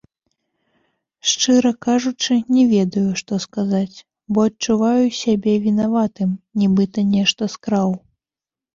Шчыра кажучы, не ведаю, што сказаць, бо адчуваю сябе вінаватым, нібыта нешта скраў.